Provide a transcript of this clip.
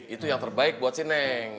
itu yang terbaik buat si neng